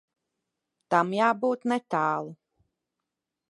Tam jābūt netālu.